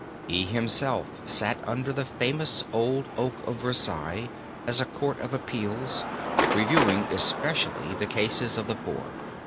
He himself sat under the famous old oak of Versailles as a Court of Appeals, reviewing especially the cases of the poor.